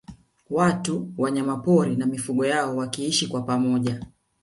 Watu Wanyamapori na mifugo yao wakiishi kwa pamoja